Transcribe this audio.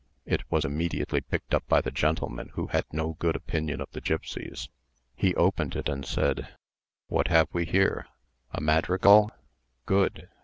It was immediately picked up by the gentleman who had no good opinion of the gipsies. He opened it, and said, "What have we here? A madrigal? Good!